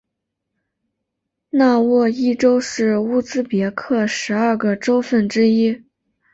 纳沃伊州是乌兹别克十二个州份之一。